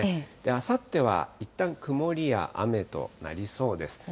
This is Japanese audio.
あさってはいったん、曇りや雨となりそうです。